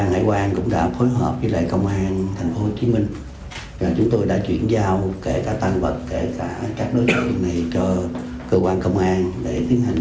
giám đốc công an thành phố hồ chí minh đã chỉ đạo cơ quan cảnh sát điều tra công an thành phố